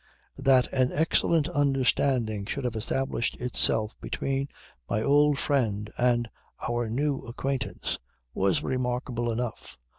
That an excellent understanding should have established itself between my old friend and our new acquaintance was remarkable enough.